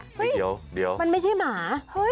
เฮ้ยมันไม่ใช่หมา